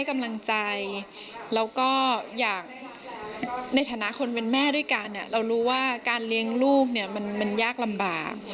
มันยากลำบาก